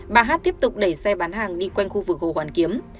bà hát tiếp tục đẩy xe bán hàng đi quanh khu vực hồ hoàn kiếm